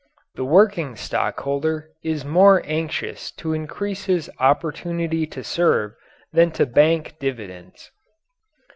The working stockholder is more anxious to increase his opportunity to serve than to bank dividends.